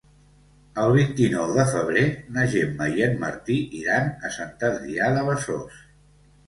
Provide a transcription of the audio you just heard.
El vint-i-nou de febrer na Gemma i en Martí iran a Sant Adrià de Besòs.